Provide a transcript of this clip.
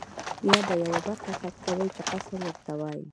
یا به یوه برخه کټ کوې چې قصر ورته وایي.